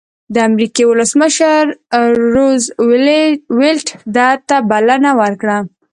د امریکې ولسمشر روز وېلټ ده ته بلنه ورکړه.